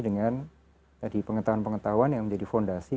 jadi nanti bisa mencari pengetahuan pengetahuan yang menjadi fondasi